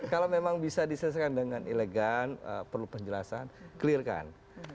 kalau memang bisa diselesaikan dengan elegan perlu penjelasan clear kan